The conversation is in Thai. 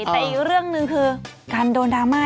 แต่อีกเรื่องหนึ่งคือการโดนดราม่า